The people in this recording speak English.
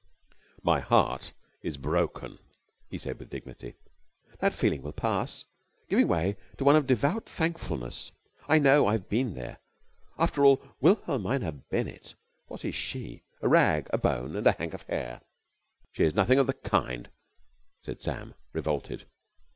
"My heart is broken," he said with dignity. "That feeling will pass, giving way to one of devout thankfulness. I know! I've been there. After all ... Wilhelmina Bennett ... what is she? A rag and a bone and a hank of hair?" "She is nothing of the kind," said Sam, revolted.